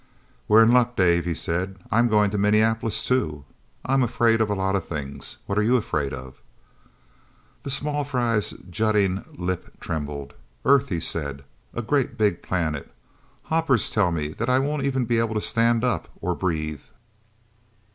"We're in luck, Dave," he said. "I'm going to Minneapolis, too. I'm afraid of a lot of things. What are you afraid of?" The small fry's jutting lip trembled. "Earth," he said. "A great big planet. Hoppers tell me I won't even be able to stand up or breathe."